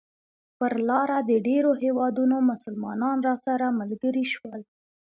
پر لاره د ډېرو هېوادونو مسلمانان راسره ملګري شول.